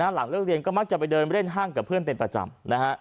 หลังเลิกเรียนก็มักจะไปเดินเล่นห้างกับเพื่อนเป็นประจำนะฮะ